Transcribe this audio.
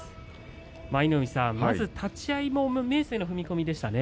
舞の海さん、まず立ち合いも明生の踏み込みでしたね。